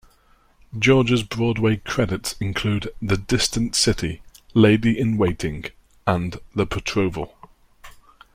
George's Broadway credits include "The Distant City", "Lady in Waiting", and "The Betrothal".